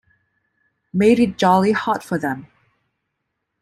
Made it jolly hot for them!